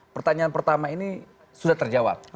pertanyaan pertama ini sudah terjawab